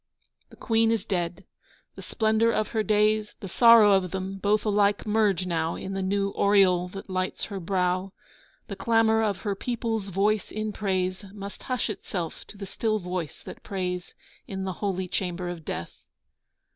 The Queen is dead. The splendour of her days, The sorrow of them both alike merge now In the new aureole that lights her brow. The clamour of her people's voice in praise Must hush itself to the still voice that prays In the holy chamber of Death.